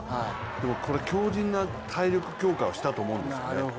でもこれ強じんな体力強化をしたと思うんですね。